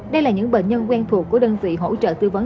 đây là những bệnh nhân quen thuộc của đơn vị hỗ trợ tư vấn